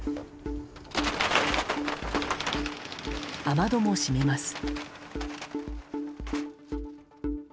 雨戸も閉めます。